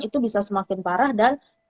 itu bisa semakin parah dan